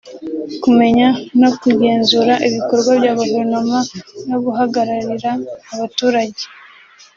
kumenya no kugenzura ibikorwa bya Guverinoma no guhagararira abaturage